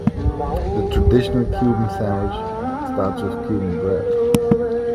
The traditional Cuban sandwich starts with Cuban bread.